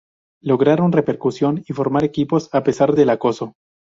Lograron repercusión y formar equipos a pesar del acoso.